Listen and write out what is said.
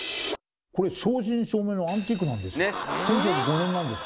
これ正真正銘のアンティークなんです。